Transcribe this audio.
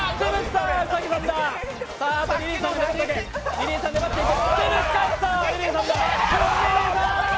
リリーさん、粘っている。